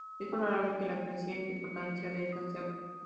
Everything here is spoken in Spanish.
Es probable que la creciente importancia de esta sp.